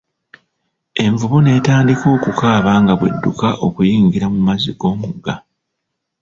Envubu netandika okukaaba nga bw'edduka okuyingira mu mazzi g'omugga.